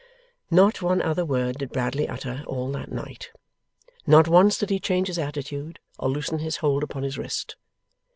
Not one other word did Bradley utter all that night. Not once did he change his attitude, or loosen his hold upon his wrist.